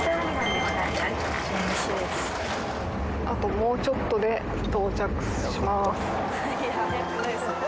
あともうちょっとで到着します。